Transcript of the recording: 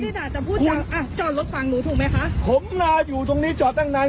นี่ด่าจะพูดจังอ่ะจอดรถฝั่งหนูถูกไหมคะผมรออยู่ตรงนี้จอดตั้งนาน